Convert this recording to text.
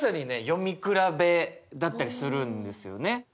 読み比べだったりするんですよね。